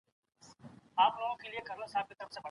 پانګه به په راتلونکي کي نور هم مهم رول ولوبوي.